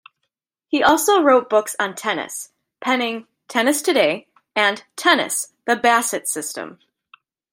He also wrote books on tennis, penning "Tennis Today" and "Tennis: The Bassett System."